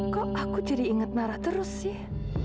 kok aku jadi inget nara terus sih